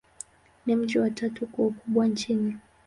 Ni mji wa tatu kwa ukubwa nchini.